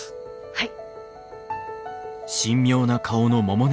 はい。